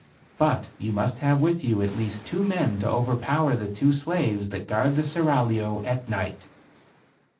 But you must have with you at least two men to overpower the two slaves that guard the seraglio at night."